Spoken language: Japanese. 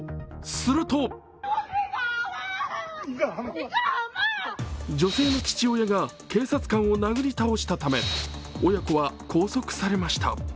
すると女性の父親が警察官を殴り倒したため、親子は拘束されました。